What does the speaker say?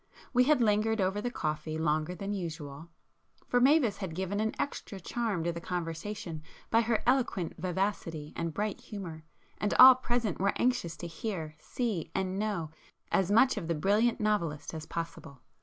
We had lingered over the coffee longer than usual, for Mavis had given an extra charm to the conversation by her eloquent vivacity and bright humour, and all present were anxious to hear, see and know as much of the brilliant novelist as possible.